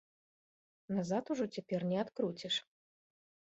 Назад ужо цяпер не адкруціш!